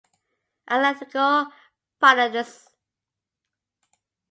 Athletico Paranaense